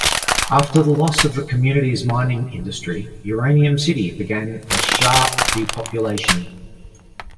After the loss of the community's mining industry, Uranium City began a sharp depopulation.